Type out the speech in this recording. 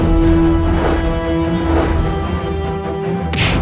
aku akan mengunggurkan ibumu sendiri